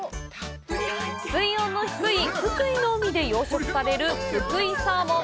水温の低い福井の海で養殖される福井サーモン。